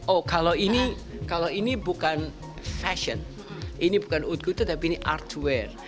oh kalau ini bukan fashion ini bukan utkutur tapi ini artware